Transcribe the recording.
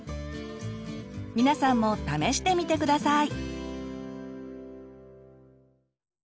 皆さんも試してみて下さい！